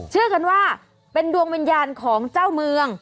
เชื่อกันว่าเป็นดวงวิญญาณของเจ้าเมือง